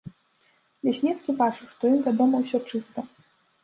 Лясніцкі бачыў, што ім вядома ўсё чыста.